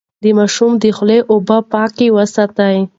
د ماشوم د خولې اوبه پاکې وساتئ.